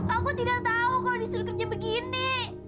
aku tidak tahu kalau disuruh kerja begini